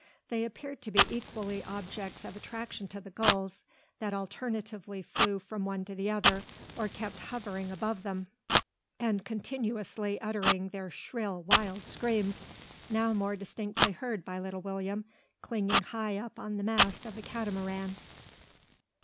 They appeared to be equally objects of attraction to the gulls, that alternately flew from one to the other, or kept hovering above them, and continuously uttering their shrill, wild screams, now more distinctly heard by little William, clinging high up on the mast of the Catamaran.